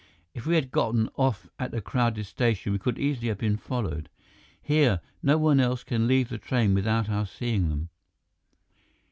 If we had gotten off at a crowded station, we could easily have been followed. Here, no one else can leave the train without our seeing them."